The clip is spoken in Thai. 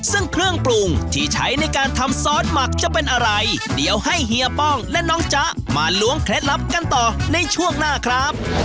ซึ่งเครื่องปรุงที่ใช้ในการทำซอสหมักจะเป็นอะไรเดี๋ยวให้เฮียป้องและน้องจ๊ะมาล้วงเคล็ดลับกันต่อในช่วงหน้าครับ